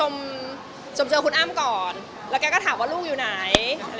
มันก็ห้ามแล้วเกือบเจอกันอยู่ดี